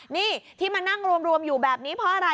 นี่ที่มานั่งรวมอยู่แบบนี้เพราะอะไร